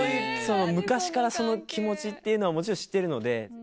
昔からその気持ちっていうのはもちろん知ってるので。